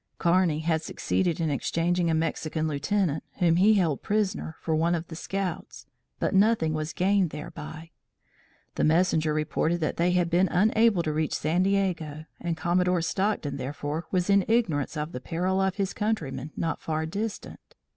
Kearney had succeeded in exchanging a Mexican lieutenant, whom he held prisoner, for one of the scouts, but nothing was gained thereby. The messenger reported that they had been unable to reach San Diego, and Commodore Stockton, therefore, was in ignorance of the peril of his countrymen not far distant.